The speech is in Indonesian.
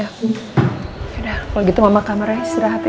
ya yaudah kalau gitu mama kamarnya istirahat ya